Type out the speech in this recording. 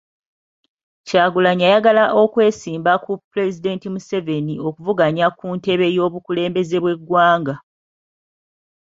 Kyagulanyi ayagala okwesimba ku pulezidenti Museveni okuvuganya ku ntebe y'obukulembeze bw'eggwanga.